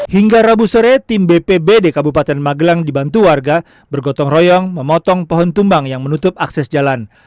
hingga rabu sore tim bpbd kabupaten magelang dibantu warga bergotong royong memotong pohon tumbang yang menutup akses jalan